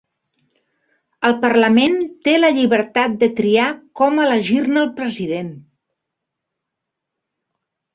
El Parlament té la llibertat de triar com elegir-ne el president.